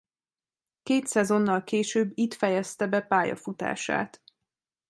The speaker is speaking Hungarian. Két szezonnal később itt fejezte be pályafutását.